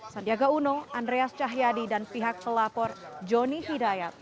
sandiaga uno andreas cahyadi dan pihak pelapor joni hidayat